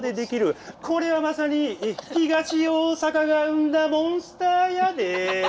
これはまさに東大阪が生んだモンスターやで。